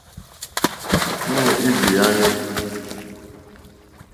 Íɲá ɡbèànè.